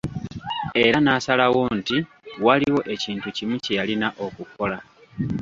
Era n'asalawo nti; waliwo ekintu kimu kye yalina okukola.